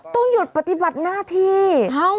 ต้องหยุดปฏิบัติหน้าที่